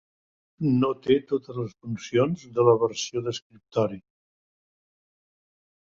No té totes les funcions de la versió d'escriptori.